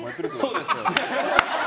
そうです。